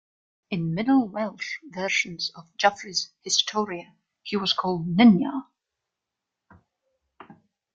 In Middle Welsh versions of Geoffrey's "Historia" he was called Nynniaw.